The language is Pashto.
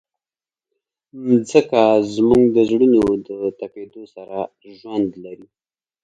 مځکه زموږ د زړونو د تپېدو سره ژوند لري.